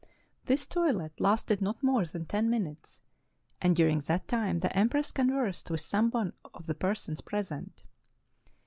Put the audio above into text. This toilet lasted not more than ten minutes, and during that time the empress conversed with some one of the persons present.